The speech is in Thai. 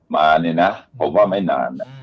มาเนี่ยนะผมว่าไม่นาน